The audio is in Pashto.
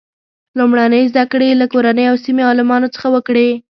لومړنۍ زده کړې یې له کورنۍ او سیمې عالمانو څخه وکړې.